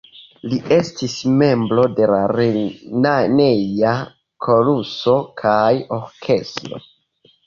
Li estis membro de la lerneja koruso kaj orkestro.